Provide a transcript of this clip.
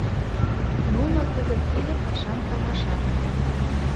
Нуно кызыт тиде пашам каҥашат.